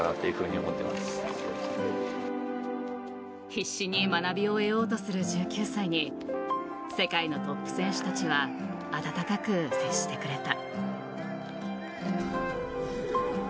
必死に学びを得ようとする１９歳に世界のトップ選手たちは温かく接してくれた。